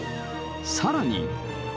さらに。